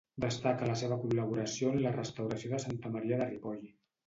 Destaca la seva col·laboració en la restauració de Santa Maria de Ripoll.